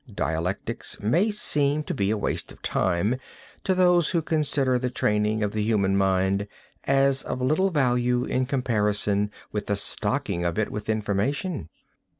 Dialectics may seem to be a waste of time to those who consider the training of the human mind as of little value in comparison with the stocking of it with information.